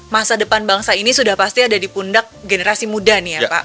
masa depan bangsa ini sudah pasti ada di pundak generasi muda nih ya pak